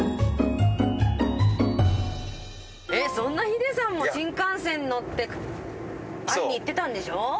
そんなヒデさんも新幹線乗って会いに行ってたんでしょ？